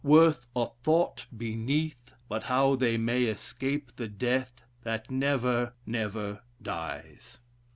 Worth a thought beneath, But how they may escape the death That never, never dies.